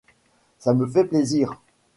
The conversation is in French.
Ça me fait plaisir.